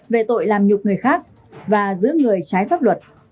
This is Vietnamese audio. về tội làm nhục người khác và giữ người trái pháp luật